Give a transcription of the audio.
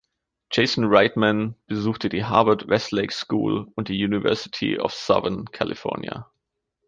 Jason Reitman besuchte die Harvard-Westlake School und die University of Southern California.